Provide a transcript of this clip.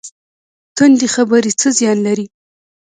تندې خبرې څه زیان لري؟